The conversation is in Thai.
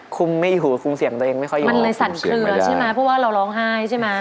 ไม่หูคุมเสียงตัวเองไม่ค่อยอยู่มันเลยสั่นเคลือใช่ไหมเพราะว่าเราร้องไห้ใช่ไหม